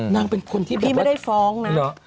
นางเป็นคนที่แบบว่าพี่ไม่ได้ฟ้องนะ